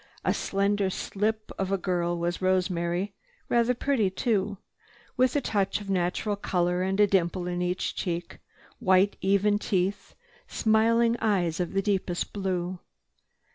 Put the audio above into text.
A slender slip of a girl was Rosemary, rather pretty, too, with a touch of natural color and a dimple in each cheek, white even teeth, smiling eyes of deepest blue.